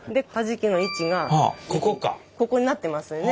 ここになってますよね。